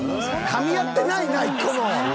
かみ合ってないな１個も！